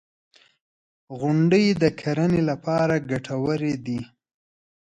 • غونډۍ د کرنې لپاره ګټورې دي.